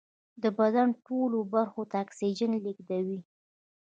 د بدن ټولو برخو ته اکسیجن لېږدوي